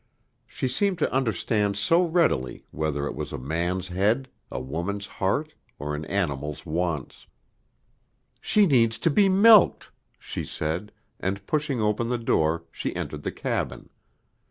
She seemed to understand so readily, whether it was a man's head, a woman's heart, or an animal's wants. "She needs to be milked," she said, and pushing open the door she entered the cabin.